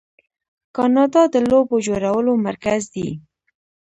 کاناډا د لوبو جوړولو مرکز دی.